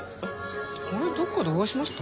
あれどこかでお会いしました？